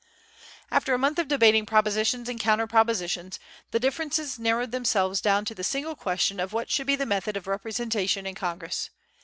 After a month of debating propositions and counter propositions, the differences narrowed themselves down to the single question of what should be the method of representation in Congress.